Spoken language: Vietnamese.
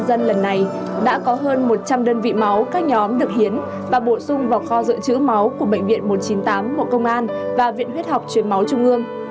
bệnh nhân lần này đã có hơn một trăm linh đơn vị máu các nhóm được hiến và bổ sung vào kho dự trữ máu của bệnh viện một trăm chín mươi tám bộ công an và viện huyết học truyền máu trung ương